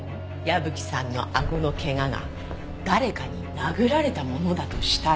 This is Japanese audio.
矢吹さんの顎の怪我が誰かに殴られたものだとしたら。